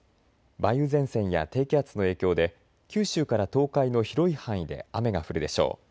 梅雨前線や低気圧の影響で九州から東海の広い範囲で雨が降るでしょう。